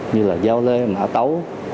như giao lê mã tấu